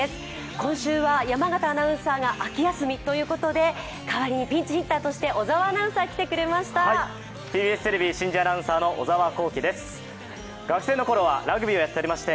今週は山形アナウンサーが秋休みということで、代わりにピンチヒッターとして小沢アナに来ていただきました。